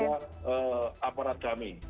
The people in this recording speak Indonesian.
itu pada aparat kami